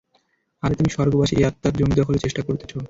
আরে তুমি স্বর্গবাসী এ আত্মার জমি দখলের চেষ্টা করতেছ।